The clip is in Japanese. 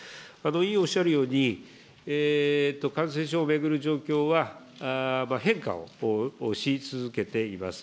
委員おっしゃるように、感染症を巡る状況は変化をし続けています。